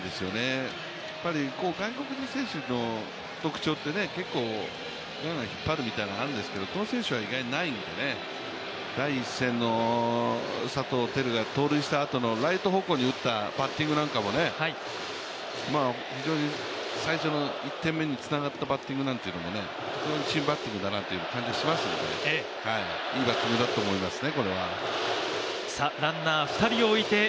やっぱり外国人選手の特徴って結構自分が引っ張るみたいなのがあるんですけどこの選手は意外とないんで、第１戦の佐藤輝が盗塁したあとのライト方向に打ったバッティングなんかも非常に最初の１点目につながったバッティングなので非常にチームバッティングだなっていう感じがしますので、いいバッティングだというふうに思いますね。